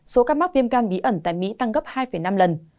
số ca mắc viêm gan bí ẩn tại mỹ tăng gấp hai năm lần